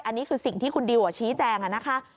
อันนี้คือสิ่งที่คุณดิวชี้แจงนะคะ